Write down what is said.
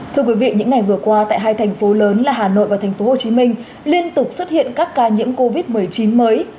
thưa quý vị những ngày vừa qua tại hai thành phố lớn là hà nội và thành phố hồ chí minh liên tục xuất hiện các ca nhiễm covid một mươi chín mới